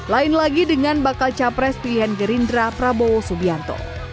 lain lagi dengan bakal cawa pres pilihan gerindra pranowo subianto